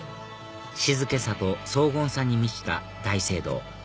静けさと荘厳さに満ちた大聖堂